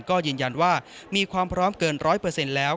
ก็ยืนยันว่ามีความพร้อมเกิน๑๐๐แล้ว